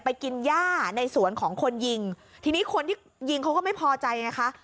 กินย่าในสวนของคนยิงทีนี้คนที่ยิงเขาก็ไม่พอใจไงคะ